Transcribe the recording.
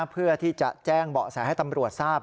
เพื่อที่จะแจ้งเบาะแสให้ตำรวจทราบ